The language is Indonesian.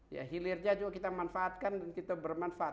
ya hilirnya juga kita manfaatkan dan kita bermanfaat